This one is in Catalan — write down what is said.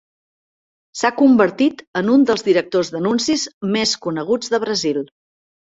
S'ha convertit en un dels directors d'anuncis més coneguts de Brasil.